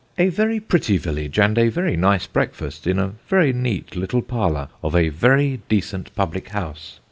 A very pretty village, and a very nice breakfast, in a very neat little parlour of a very decent public house.